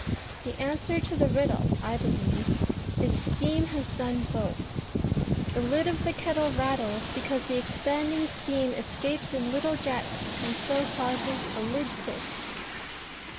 The answer to the riddle, I believe, is Steam has done both. The lid of the kettle rattles, because the expanding steam escapes in little jets, and so causes a lid quake.